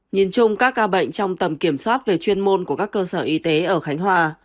nhìn chung các ca bệnh trong tầm kiểm soát về chuyên môn của các cơ sở y tế ở khánh hòa